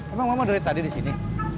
emang mama dari tadi di sini